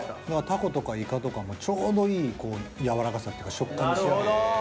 タコとかイカとかもちょうどいいやわらかさというか食感に仕上がってるんで。